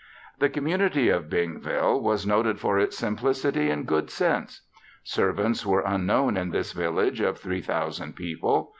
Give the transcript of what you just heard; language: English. The community of Bingville was noted for its simplicity and good sense. Servants were unknown in this village of three thousand people.